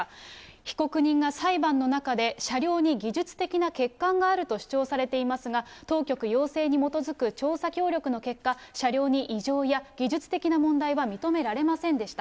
被告人が裁判の中で車両に技術的な欠陥があると主張されていますが、当局要請に基づく調査協力の結果、車両に異常や技術的な問題は認められませんでした。